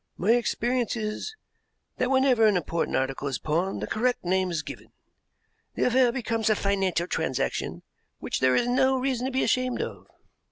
"My experience is that whenever an important article is pawned the correct name is given. The affair becomes a financial transaction which there is no reason to be ashamed of."